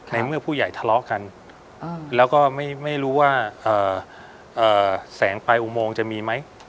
ในเมื่อผู้ใหญ่ทะเลาะกันแล้วก็ไม่รู้ว่าแสงปลายอุโมงจะมีไหม